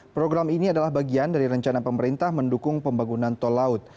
program ini adalah bagian dari rencana pemerintah mendukung pembangunan tol laut